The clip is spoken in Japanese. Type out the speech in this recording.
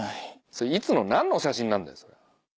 それいつの何の写真なんだよ。